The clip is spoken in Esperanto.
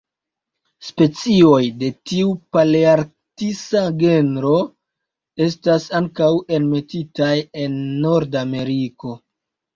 Specioj de tiu palearktisa genro estas ankaŭ enmetitaj en Nordameriko.